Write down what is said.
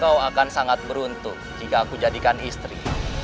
kau akan sangat beruntung jika aku jadikan istri